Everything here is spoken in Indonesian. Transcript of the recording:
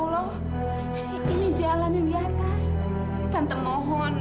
sampai jumpa di video selanjutnya